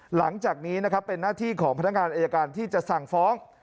หลังจากนี้นะครับเป็นหน้าที่ของพนักงานอายการที่จะสั่งฟ้อง